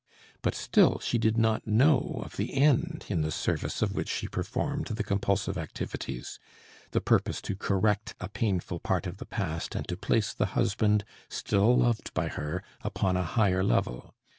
But still she did not know of the end in the service of which she performed the compulsive activities, the purpose to correct a painful part of the past and to place the husband, still loved by her, upon a higher level.